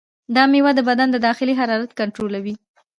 دا میوه د بدن د داخلي حرارت کنټرولوي.